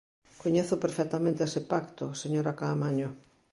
Coñezo perfectamente ese pacto, señora Caamaño.